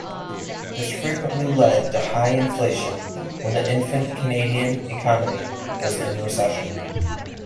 This frequently led to high inflation when the infant Canadian economy was in recession.